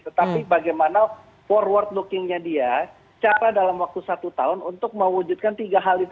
tetapi bagaimana forward lookingnya dia cara dalam waktu satu tahun untuk mewujudkan tiga hal itu